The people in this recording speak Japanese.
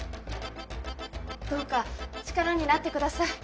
どうか力になってください。